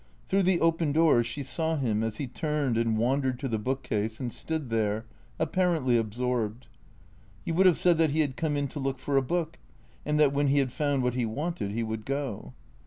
Through the open doors she saw him as he turned and wan dered to the bookcase and stood there, apparently absorbed. You would have said that he had come in to look for a book, and that when he had found what he wanted he would go.